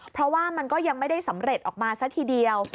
เพราะว่ามันก็ยังไม่ได้สำเร็จออกมาซะทีเดียว